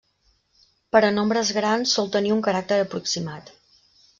Per a nombres grans sol tenir un caràcter aproximat.